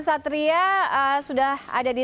satria sudah ada di